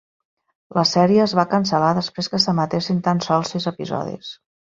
La sèrie es va cancel·lar després que s'emetessin tan sols sis episodis.